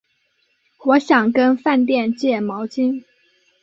我想跟饭店借毛巾